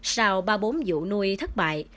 sau ba bốn vụ nuôi thất bại